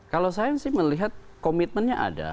kalau saya sih melihat komitmennya ada